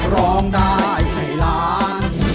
ร้องได้ให้ล้าน